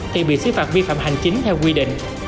thì bị xứ phạt vi phạm hành chính theo quy định